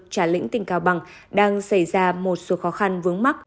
trả lĩnh tỉnh cao bằng đang xảy ra một số khó khăn vướng mắc